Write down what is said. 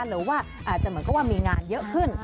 หรือว่าอาจจะเหมือนกับว่ามีงานเยอะขึ้น